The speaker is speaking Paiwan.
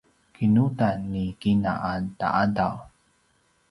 kinudan ni kina a ta’adav